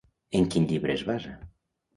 En quin llibre es basa?